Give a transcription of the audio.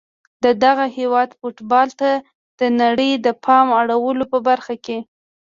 د دغه هیواد فوټبال ته د نړۍ د پام اړولو په برخه کي